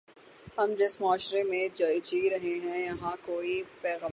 ہم جس معاشرے میں جی رہے ہیں، یہاں کوئی پیغمبر ہے۔